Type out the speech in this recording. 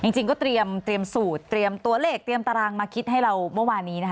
จริงก็เตรียมสูตรเตรียมตัวเลขเตรียมตารางมาคิดให้เราเมื่อวานนี้นะคะ